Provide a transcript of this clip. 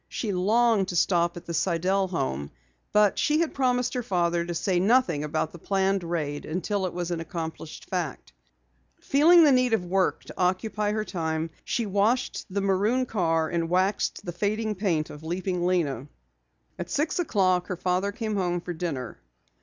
She longed to stop at the Sidell home, but she had promised her father to say nothing about the planned raid until it was an accomplished fact. Feeling the need of work to occupy her time, she washed the maroon car and waxed the fading paint of Leaping Lena. At six o'clock her father came home for dinner.